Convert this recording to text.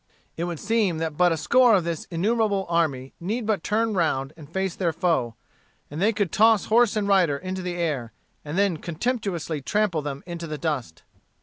It would seem that but a score of this innumerable army need but turn round and face their foe, and they could toss horse and rider into the air, and then contemptuously trample them into the dust.